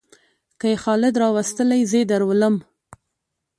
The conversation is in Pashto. کې خالد راوستى؛ زې درولم.